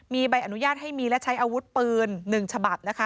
มีใบอนุญาตให้มีและใช้อาวุธปืน๑ฉบับนะคะ